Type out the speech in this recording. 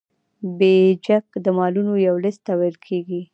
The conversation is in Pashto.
بیجک د مالونو یو لیست ته ویل کیږي.